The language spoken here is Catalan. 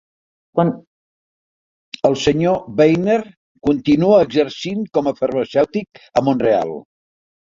El Sr. Weiner continua exercint com a farmacèutic a Mont-real.